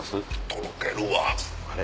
とろけるわ。